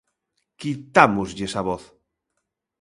Quitámoslles a voz.